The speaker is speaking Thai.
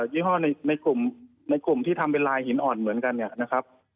ี่ห้อในกลุ่มในกลุ่มที่ทำเป็นลายหินอ่อนเหมือนกันเนี่ยนะครับ